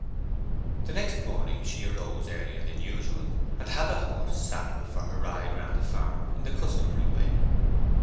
The next morning she rose earlier than usual, and had the horse saddled for her ride round the farm in the customary way.